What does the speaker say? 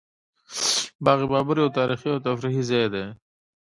باغ بابر یو تاریخي او تفریحي ځای دی